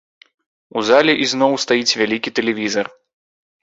У зале ізноў стаіць вялікі тэлевізар.